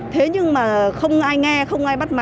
thế nhưng mà không ai nghe không ai bắt mà